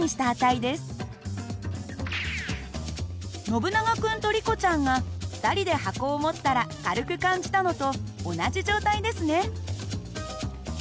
ノブナガ君とリコちゃんが２人で箱を持ったら軽く感じたのと同じ状態ですね。